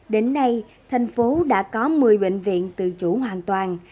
đến nay thành phố đã có một mươi bệnh viện tự chủ hoàn toàn